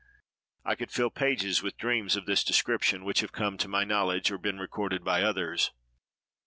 I could fill pages with dreams of this description which have come to my knowledge, or been recorded by others.